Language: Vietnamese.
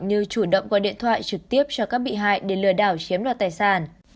như chủ động gọi điện thoại trực tiếp cho các bị hại để lừa đảo chiếm đoạt tài sản